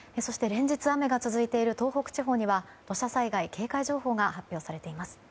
連日、雨が続いている東北地方には土砂災害警戒情報が発表されています。